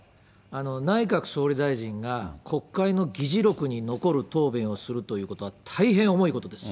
内閣総理大臣が国会の議事録に残る答弁をするということは、大変重いことです。